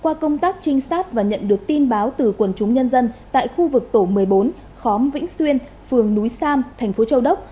qua công tác trinh sát và nhận được tin báo từ quần chúng nhân dân tại khu vực tổ một mươi bốn khóm vĩnh xuyên phường núi sam thành phố châu đốc